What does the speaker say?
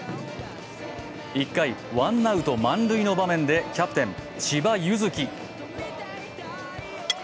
１回ワンアウト満塁の場面でキャプテン・千葉柚樹。